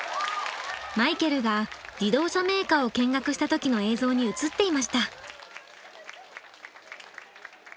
マイケルが自動車メーカーを見学した時の映像に映っていました。